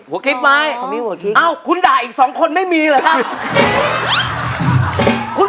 หัวคริสไหมเอ้าอีก๒คนไม่มีหรอครับ